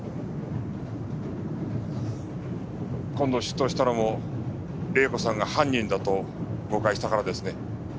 今度出頭したのも玲子さんが犯人だと誤解したからですね。